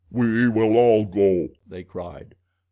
"We will all go," they cried.